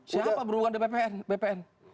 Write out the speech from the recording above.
siapa berhubungan dengan bpn